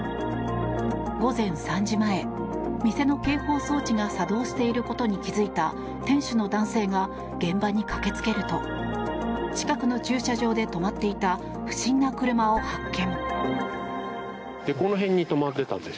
午前３時前、店の警報装置が作動していることに気づいた店主の男性が現場に駆け付けると近くの駐車場で止まっていた不審な車を発見。